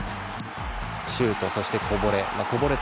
シュート、そしてこぼれ。